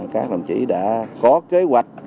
các đồng chỉ đã có kế hoạch